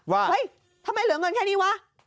เฮ้ยทำไมเหลือเงินแค่นี้วะ